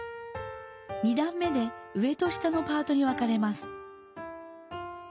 ２だん目で上と下のパートに分かれます。